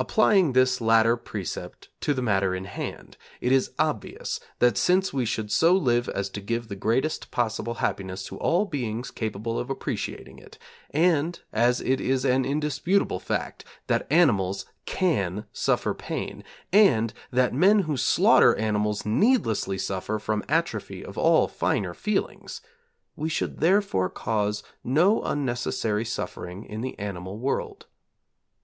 Applying this latter precept to the matter in hand, it is obvious that since we should so live as to give the greatest possible happiness to all beings capable of appreciating it, and as it is an indisputable fact that animals can suffer pain, and that men who slaughter animals needlessly suffer from atrophy of all finer feelings, we should therefore cause no unnecessary suffering in the animal world.